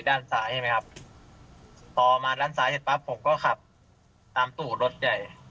ด้านซ้ายใช่ไหมครับพอมาด้านซ้ายเสร็จปั๊บผมก็ขับตามตู่รถใหญ่